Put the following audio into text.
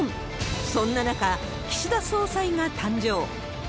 そんな中、岸田総裁が誕生。